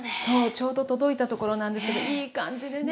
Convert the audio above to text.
ちょうど届いたところなんですけどいい感じでね